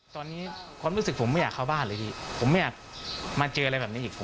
ตอนนี้ความรู้สึกผมไม่อยากเข้าบ้านเลยพี่ผมไม่อยากมาเจออะไรแบบนี้อีก